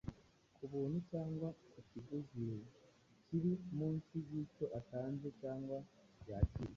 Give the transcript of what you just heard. ku buntu cyangwa ku kiguzi kiri munsi y’icyo atanze cyangwa yakiriye,